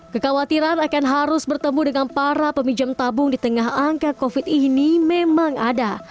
kekhawatiran akan harus bertemu dengan para peminjam tabung di tengah angka covid ini memang ada